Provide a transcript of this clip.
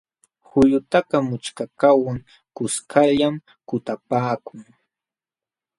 Qullutakaq mućhkakaqwan kuskallam kutapaakun.